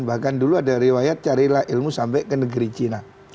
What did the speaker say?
bahkan dulu ada riwayat carilah ilmu sampai ke negeri cina